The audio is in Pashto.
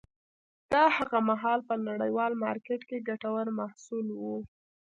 دا هغه مهال په نړیوال مارکېت کې ګټور محصول و.